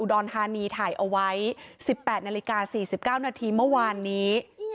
อนธานีถ่ายเอาไว้๑๘นาฬิกา๔๙นาทีเมื่อวานนี้